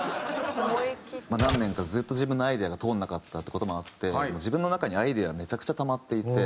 何年かずっと自分のアイデアが通らなかったって事もあって自分の中にアイデアがめちゃくちゃたまっていて。